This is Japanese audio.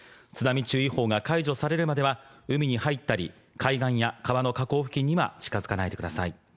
津波注意報が解除されるまでは、海に入ったり、海岸や川の河口付近には近づかないでください。